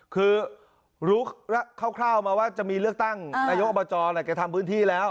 คือรู้คร่าวมาว่าจะมีเลือกตั้งนายกอบจแหละแกทำพื้นที่แล้ว